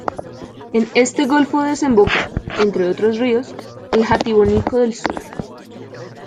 En este golfo desemboca, entre otros ríos, el Jatibonico del Sur.